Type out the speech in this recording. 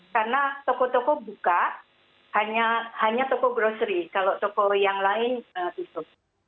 karena toko toko buka hanya toko grocery kalau toko yang lain itu